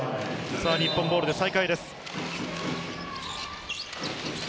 日本ボールで再開です。